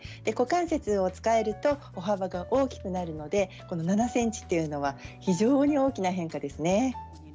股関節を使えると歩幅が大きくなるので７ｃｍというのは非常に大きな変化ですね。